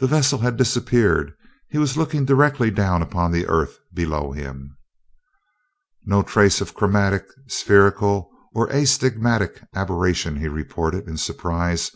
The vessel had disappeared he was looking directly down upon the Earth below him! "No trace of chromatic, spherical, or astigmatic aberration," he reported in surprise.